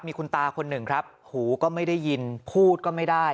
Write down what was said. มีคุณตาคนหนึ่งครับหูก็ไม่ได้ยินพูดก็ไม่ได้